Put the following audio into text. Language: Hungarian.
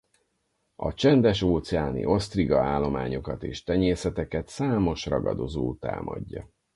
A csendes-óceáni osztriga állományokat és tenyészeteket számos ragadozó támadja.